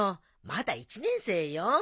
まだ１年生よ。